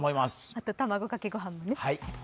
それと卵かけ御飯もね。